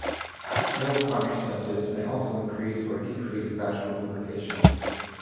Oral contraceptives may also increase or decrease vaginal lubrication.